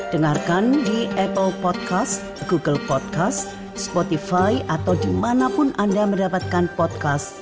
dengarkan di apple podcast google podcast spotify atau dimanapun anda mendapatkan podcast